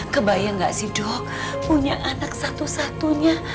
kebayang gak sih dok punya anak satu satunya